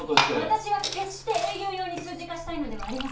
私は決して営業用に数字化したいのではありません。